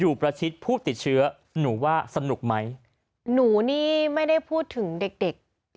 อยู่ประชิดผู้ติดเชื้อนว่าสนุกไหมหนุนี่ไม่ได้พูดถึงเด็กหรอค่ะ